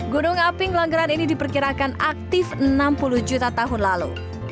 gunung api ngelanggeran ini diperkirakan aktif enam puluh juta tahun lalu